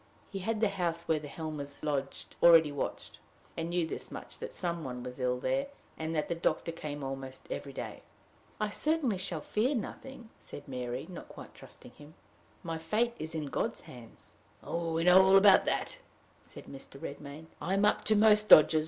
He had the house where the Helmers lodged already watched, and knew this much, that some one was ill there, and that the doctor came almost every day. "I certainly shall fear nothing," said Mary, not quite trusting him; "my fate is in God's hands." "We know all about that," said Mr. Redmain; "I'm up to most dodges.